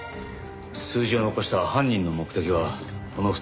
数字を残した犯人の目的はこの２人の殺害。